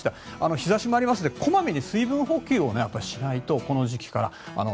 日差しもありますので小まめに水分補給をしないとこの時期から。